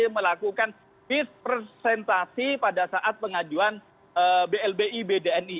melakukan dispresentasi pada saat pengajuan blbi bdni